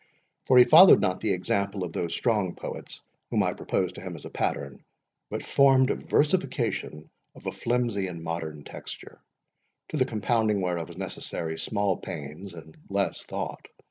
For he followed not the example of those strong poets whom I proposed to him as a pattern, but formed versification of a flimsy and modern texture, to the compounding whereof was necessary small pains and less thought.